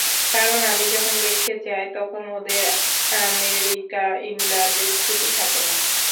কারণ আমি যখন দেশে যাই তখন ওদের আমেরিকা ইংল্যান্ডে ছুটি থাকে না।